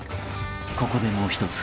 ［ここでもう一つ］